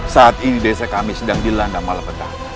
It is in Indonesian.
saat ini desa kami sedang dilanda malam petang